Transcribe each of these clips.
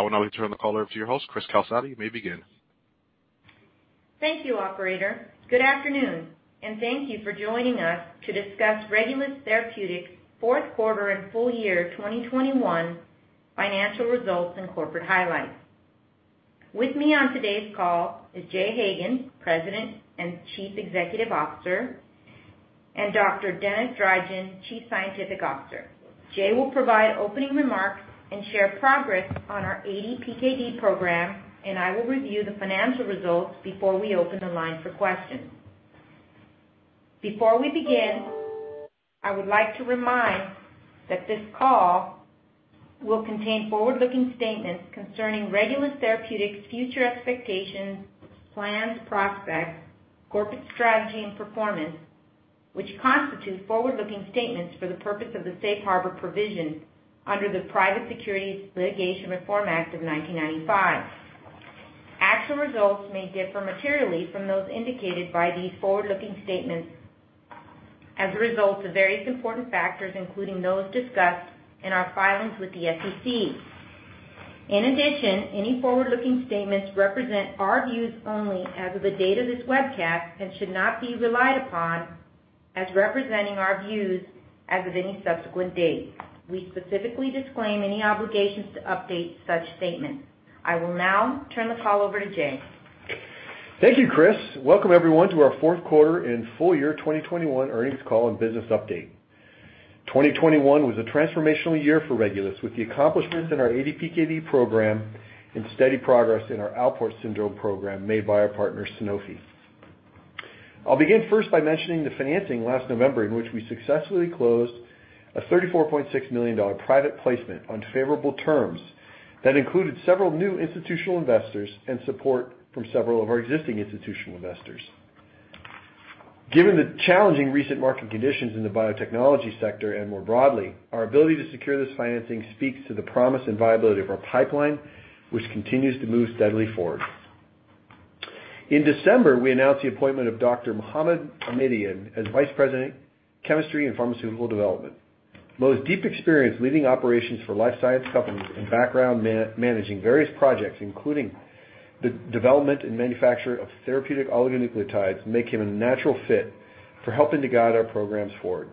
I will now return the caller to your host. Cris Calsada, you may begin. Thank you, operator. Good afternoon, and thank you for joining us to discuss Regulus Therapeutics' fourth quarter and full year 2021 financial results and corporate highlights. With me on today's call is Jay Hagan, President and Chief Executive Officer, and Dr. Denis Drygin, Chief Scientific Officer. Jay will provide opening remarks and share progress on our ADPKD program, and I will review the financial results before we open the line for questions. Before we begin, I would like to remind that this call will contain forward-looking statements concerning Regulus Therapeutics' future expectations, plans, prospects, corporate strategy, and performance, which constitute forward-looking statements for the purpose of the safe harbor provision under the Private Securities Litigation Reform Act of 1995. Actual results may differ materially from those indicated by these forward-looking statements as a result of various important factors, including those discussed in our filings with the SEC. In addition, any forward-looking statements represent our views only as of the date of this webcast and should not be relied upon as representing our views as of any subsequent date. We specifically disclaim any obligations to update such statements. I will now turn the call over to Jay. Thank you, Cris. Welcome everyone to our fourth quarter and full year 2021 earnings call and business update. 2021 was a transformational year for Regulus, with the accomplishments in our ADPKD program and steady progress in our Alport syndrome program made by our partner, Sanofi. I'll begin first by mentioning the financing last November in which we successfully closed a $34.6 million private placement on favorable terms that included several new institutional investors and support from several of our existing institutional investors. Given the challenging recent market conditions in the biotechnology sector and more broadly, our ability to secure this financing speaks to the promise and viability of our pipeline, which continues to move steadily forward. In December, we announced the appointment of Dr. Mohammad Ahmadian as Vice President, Chemistry and Pharmaceutical Development. Mo's deep experience leading operations for life science companies and background man-managing various projects, including the development and manufacture of therapeutic oligonucleotides, make him a natural fit for helping to guide our programs forward.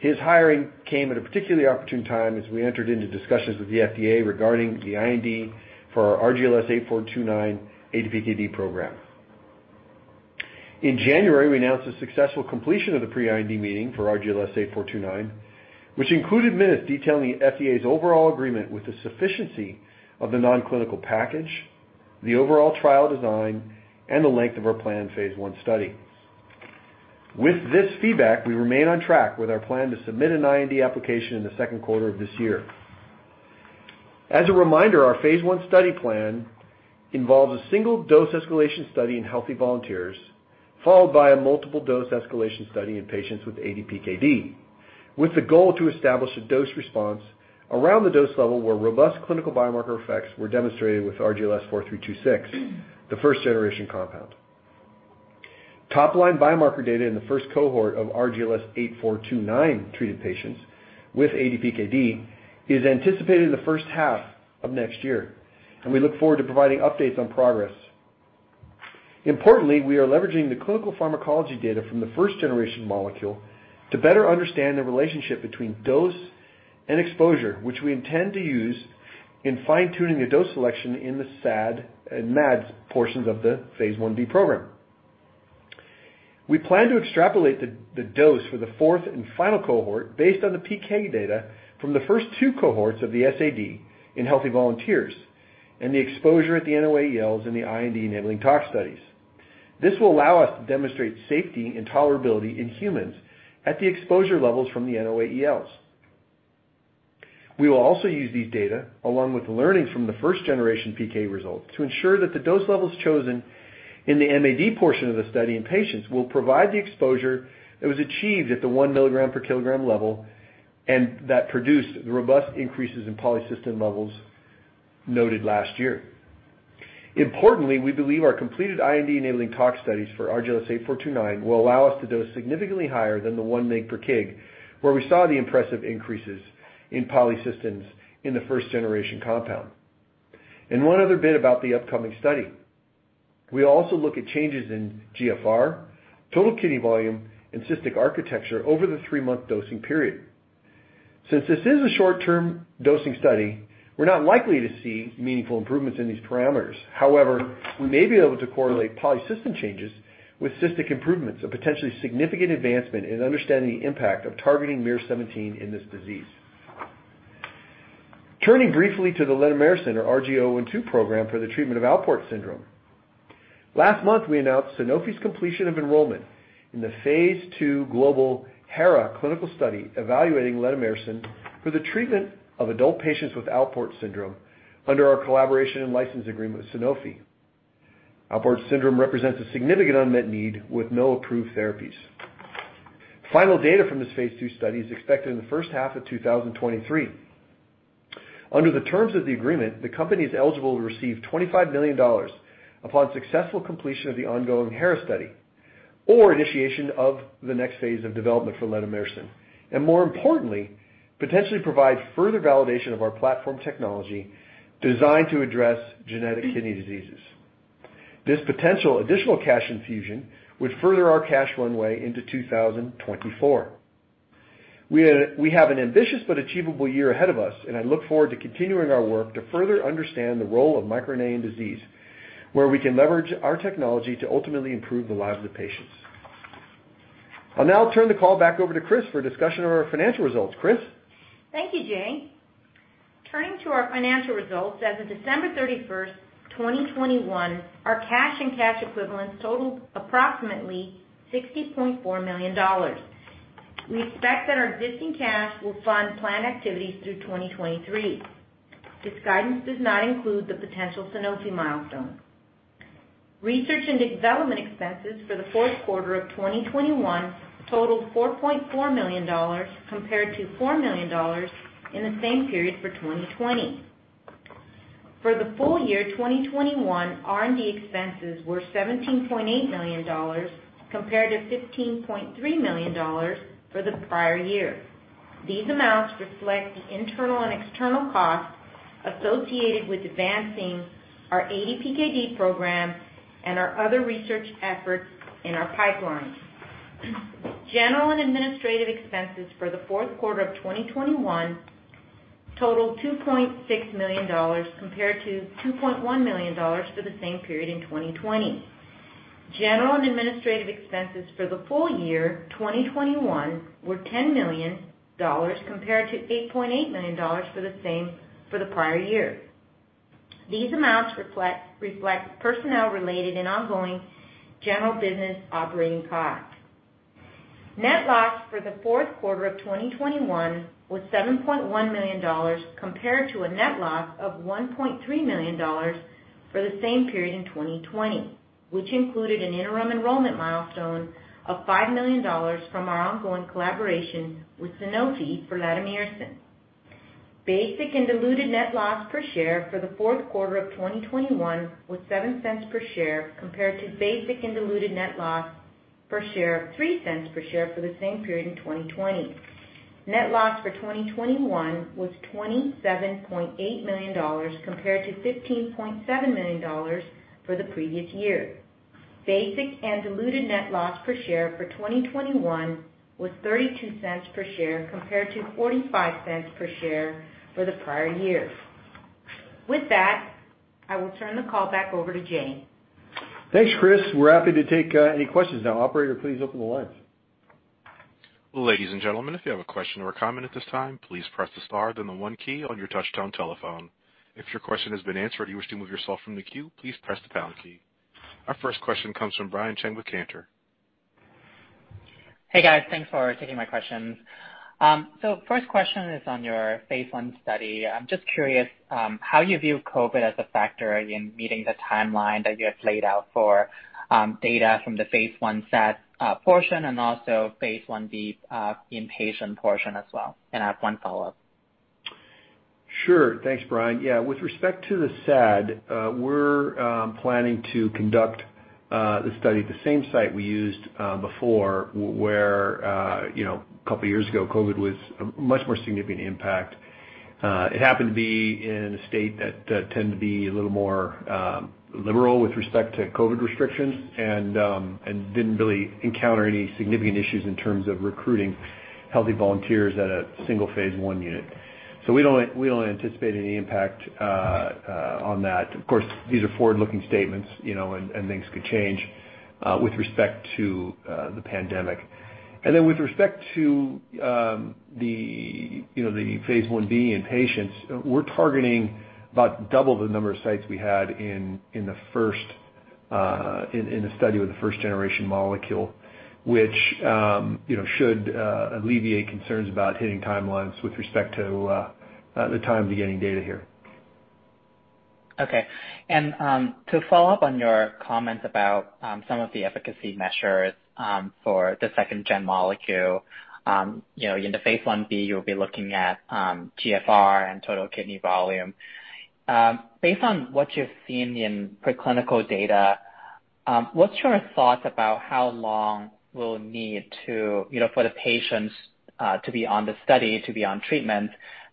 His hiring came at a particularly opportune time as we entered into discussions with the FDA regarding the IND for our RGLS-8429 ADPKD program. In January, we announced the successful completion of the pre-IND meeting for RGLS-8429, which included minutes detailing the FDA's overall agreement with the sufficiency of the non-clinical package, the overall trial design, and the length of our planned phase I study. With this feedback, we remain on track with our plan to submit an IND application in the second quarter of this year. As a reminder, our phase I study plan involves a single-dose escalation study in healthy volunteers, followed by a multiple-dose escalation study in patients with ADPKD, with the goal to establish a dose response around the dose level where robust clinical biomarker effects were demonstrated with RGLS-4326, the first-generation compound. Top-line biomarker data in the first cohort of RGLS-8429 treated patients with ADPKD is anticipated in the first half of next year, and we look forward to providing updates on progress. Importantly, we are leveraging the clinical pharmacology data from the first-generation molecule to better understand the relationship between dose and exposure, which we intend to use in fine-tuning the dose selection in the SAD and MAD portions of the phase I-B program. We plan to extrapolate the dose for the fourth and final cohort based on the PK data from the first two cohorts of the SAD in healthy volunteers and the exposure at the NOAELs in the IND-enabling tox studies. This will allow us to demonstrate safety and tolerability in humans at the exposure levels from the NOAELs. We will also use these data, along with the learnings from the first-generation PK results, to ensure that the dose levels chosen in the MAD portion of the study in patients will provide the exposure that was achieved at the 1 milligram per kilogram level and that produced the robust increases in polycystin levels noted last year. Importantly, we believe our completed IND-enabling tox studies for RGLS-8429 will allow us to dose significantly higher than the 1 mg per kg, where we saw the impressive increases in polycystins in the first-generation compound. One other bit about the upcoming study. We also look at changes in GFR, total kidney volume, and cystic architecture over the 3-month dosing period. Since this is a short-term dosing study, we're not likely to see meaningful improvements in these parameters. However, we may be able to correlate polycystin changes with cystic improvements, a potentially significant advancement in understanding the impact of targeting miR-17 in this disease. Turning briefly to the Lademirsen or RG-012 program for the treatment of Alport syndrome. Last month, we announced Sanofi's completion of enrollment in the phase II global HERA clinical study evaluating Lademirsen for the treatment of adult patients with Alport syndrome under our collaboration and license agreement with Sanofi. Alport syndrome represents a significant unmet need with no approved therapies. Final data from this phase II study is expected in the first half of 2023. Under the terms of the agreement, the company is eligible to receive $25 million upon successful completion of the ongoing HERA study or initiation of the next phase of development for Lademirsen, more importantly potentially provide further validation of our platform technology designed to address genetic kidney diseases. This potential additional cash infusion would further our cash runway into 2024. We have an ambitious but achievable year ahead of us, and I look forward to continuing our work to further understand the role of microRNA in disease, where we can leverage our technology to ultimately improve the lives of patients. I'll now turn the call back over to Cris for a discussion of our financial results. Cris? Thank you, Jay. Turning to our financial results, as of December 31, 2021, our cash and cash equivalents totaled approximately $60.4 million. We expect that our existing cash will fund planned activities through 2023. This guidance does not include the potential Sanofi milestone. Research and development expenses for the fourth quarter of 2021 totaled $4.4 million compared to $4 million in the same period for 2020. For the full year 2021, R&D expenses were $17.8 million compared to $15.3 million for the prior year. These amounts reflect the internal and external costs associated with advancing our ADPKD program and our other research efforts in our pipeline. General and administrative expenses for the fourth quarter of 2021 totaled $2.6 million compared to $2.1 million for the same period in 2020. General and administrative expenses for the full year 2021 were $10 million compared to $8.8 million for the prior year. These amounts reflect personnel-related and ongoing general business operating costs. Net loss for the fourth quarter of 2021 was $7.1 million compared to a net loss of $1.3 million for the same period in 2020, which included an interim enrollment milestone of $5 million from our ongoing collaboration with Sanofi for Lademirsen. Basic and diluted net loss per share for the fourth quarter of 2021 was $0.07 per share compared to basic and diluted net loss per share of $0.03 per share for the same period in 2020. Net loss for 2021 was $27.8 million compared to $15.7 million for the previous year. Basic and diluted net loss per share for 2021 was $0.32 per share compared to $0.45 per share for the prior year. With that, I will turn the call back over to Jay. Thanks, Cris. We're happy to take any questions now. Operator, please open the lines. Our first question comes from Brian Cheng with Cantor. Hey, guys. Thanks for taking my questions. First question is on your phase I study. I'm just curious how you view COVID as a factor in meeting the timeline that you have laid out for data from the phase I SAD portion and also phase Ib inpatient portion as well. I have one follow-up. Sure. Thanks, Brian. Yeah, with respect to the SAD, we're planning to conduct the study at the same site we used before where, you know, a couple of years ago, COVID was a much more significant impact. It happened to be in a state that tends to be a little more liberal with respect to COVID restrictions and didn't really encounter any significant issues in terms of recruiting healthy volunteers at a single phase I unit. We don't anticipate any impact on that. Of course, these are forward-looking statements, you know, and things could change with respect to the pandemic. With respect to, you know, the phase Ib in patients, we're targeting about double the number of sites we had in the first study with the first generation molecule, which, you know, should alleviate concerns about hitting timelines with respect to the time to getting data here. Okay. To follow up on your comments about some of the efficacy measures for the second gen molecule, you know, in the phase Ib, you'll be looking at GFR and total kidney volume. Based on what you've seen in preclinical data, what's your thoughts about how long we'll need to, you know, for the patients to be on the study, to be on treatment,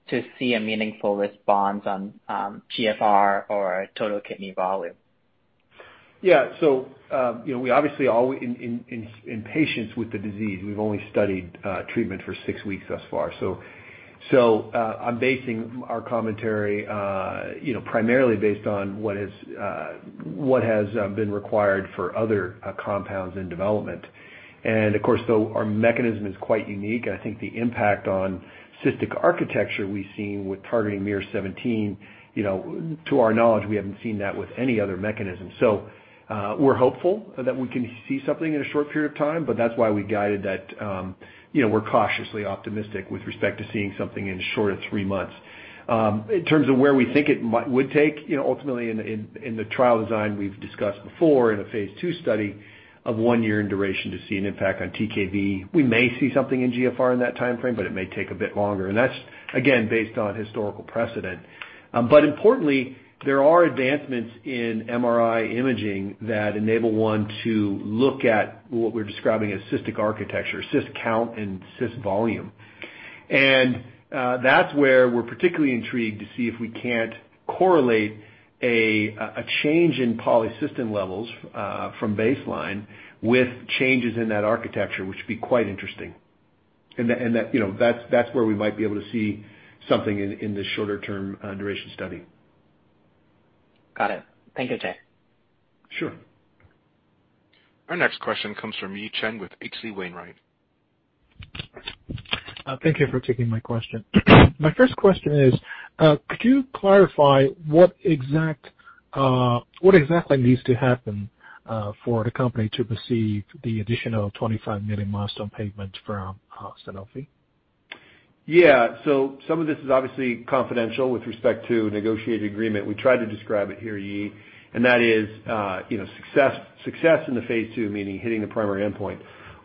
to see a meaningful response on GFR or total kidney volume? Yeah. You know, we obviously in patients with the disease, we've only studied treatment for 6 weeks thus far. I'm basing our commentary, you know, primarily based on what is, what has, been required for other compounds in development. Of course, though our mechanism is quite unique, I think the impact on cystic architecture we've seen with targeting miR-17, you know, to our knowledge, we haven't seen that with any other mechanism. We're hopeful that we can see something in a short period of time, but that's why we guided that, you know, we're cautiously optimistic with respect to seeing something in short of 3 months. In terms of where we think it would take, you know, ultimately in the trial design we've discussed before in a phase II study of one year in duration to see an impact on TKV. We may see something in GFR in that timeframe, but it may take a bit longer. That's again, based on historical precedent. Importantly, there are advancements in MRI imaging that enable one to look at what we're describing as cystic architecture, cyst count, and cyst volume. That's where we're particularly intrigued to see if we can't correlate a change in polycystin levels from baseline with changes in that architecture, which would be quite interesting. That, you know, that's where we might be able to see something in the shorter term duration study. Got it. Thank you, Jay. Sure. Our next question comes from Yi Chen with H.C. Wainwright. Thank you for taking my question. My first question is, could you clarify what exactly needs to happen for the company to receive the additional $25 million milestone payment from Sanofi? Some of this is obviously confidential with respect to negotiated agreement. We tried to describe it here, Yi, and that is, you know, success in the phase II, meaning hitting the primary endpoint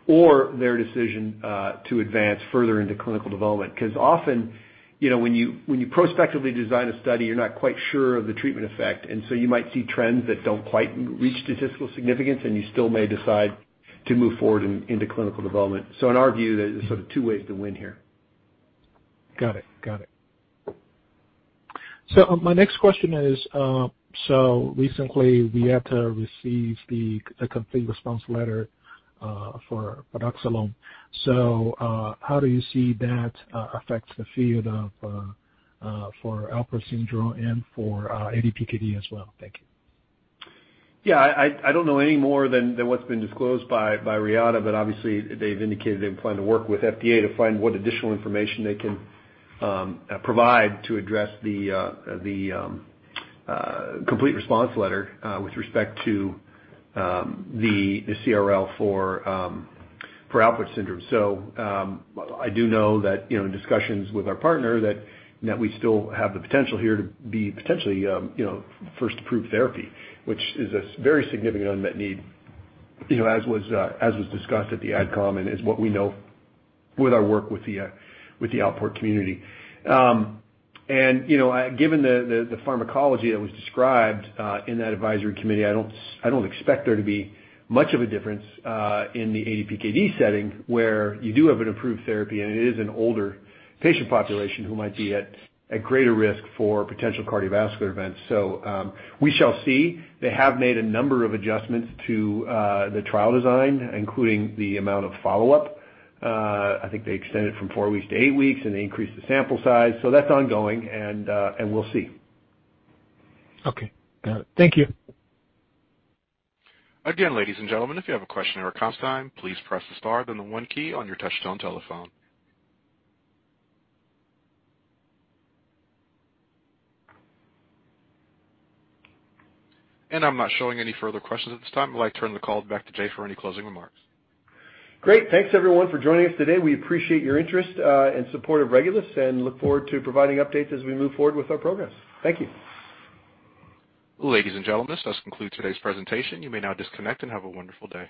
or their decision to advance further into clinical development. 'Cause often, you know, when you prospectively design a study, you're not quite sure of the treatment effect, and so you might see trends that don't quite reach statistical significance, and you still may decide to move forward into clinical development. In our view, there's sort of two ways to win here. Got it. My next question is, so recently, Reata received the complete response letter for bardoxolone. How do you see that affects the field for Alport syndrome and for ADPKD as well? Thank you. Yeah, I don't know any more than what's been disclosed by Reata, but obviously, they've indicated they plan to work with FDA to find what additional information they can provide to address the complete response letter with respect to the CRL for Alport syndrome. I do know that, you know, in discussions with our partner that we still have the potential here to be potentially, you know, first approved therapy, which is a very significant unmet need, you know, as was discussed at the Ad Com and is what we know with our work with the Alport community. You know, given the pharmacology that was described in that advisory committee, I don't expect there to be much of a difference in the ADPKD setting where you do have an approved therapy and it is an older patient population who might be at greater risk for potential cardiovascular events. We shall see. They have made a number of adjustments to the trial design, including the amount of follow-up. I think they extended from 4 weeks to 8 weeks, and they increased the sample size. That's ongoing and we'll see. Okay. Got it. Thank you. Again, ladies and gentlemen, if you have a question or a comment, please press the star, then the one key on your touch-tone telephone. I'm not showing any further questions at this time. I'd like to turn the call back to Jay for any closing remarks. Great. Thanks, everyone, for joining us today. We appreciate your interest, and support of Regulus and look forward to providing updates as we move forward with our progress. Thank you. Ladies and gentlemen, this does conclude today's presentation. You may now disconnect and have a wonderful day.